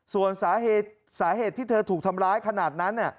ส่วนสาเหตุที่เธอถูกทำร้ายขนาดนั้น